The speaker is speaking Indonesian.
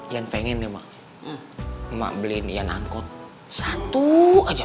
yan pengen ya emak beliin yan angkut satu aja